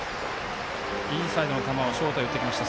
インサイドの球をショートへ打っていきました。